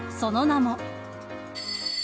その名も。